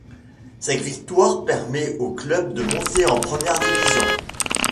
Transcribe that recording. Cette victoire permet au club de monter en première division.